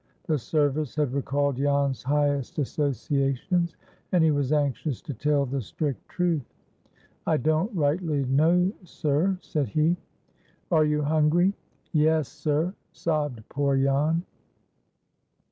The service had recalled Jan's highest associations, and he was anxious to tell the strict truth. "I don't rightly know, sir," said he. "Are you hungry?" "Yes, sir," sobbed poor Jan.